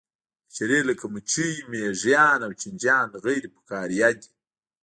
حشرې لکه مچۍ مېږیان او چینجیان غیر فقاریه دي